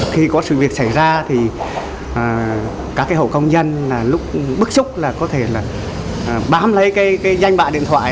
khi có sự việc xảy ra thì các hộ công dân lúc bức xúc có thể bám lấy danh bạ điện thoại